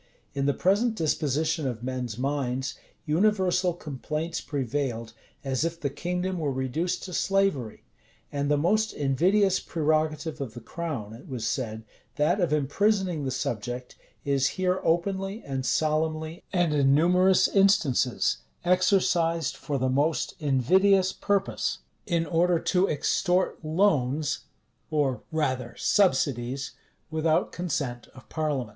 In the present disposition of men's minds, universal complaints prevailed, as if the kingdom were reduced to slavery. And the most invidious prerogative of the crown, it was said, that of imprisoning the subject, is here openly, and solemnly, and in numerous instances, exercised for the most invidious purpose; in order to extort loans, or rather subsidies, without consent of parliament.